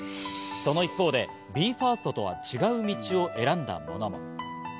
その一方でＢＥ：ＦＩＲＳＴとは違う道を選んだ者も。